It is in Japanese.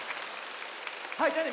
はいじゃあね